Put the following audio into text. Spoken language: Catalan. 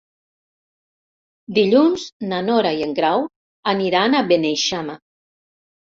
Dilluns na Nora i en Grau aniran a Beneixama.